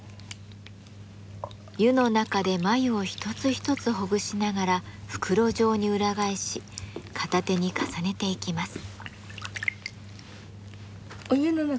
湯の中で繭を一つ一つほぐしながら袋状に裏返し片手に重ねていきます。